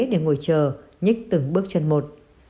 để ngồi chờ nhích từng bước chân một